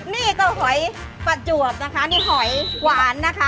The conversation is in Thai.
นี่ก็หอยประจวบนะคะนี่หอยหวานนะคะ